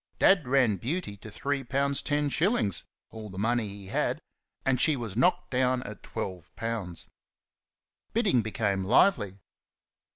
Dad ran "Beauty" to three pound ten shillings (all the money he had), and she was knocked down at twelve pounds. Bidding became lively.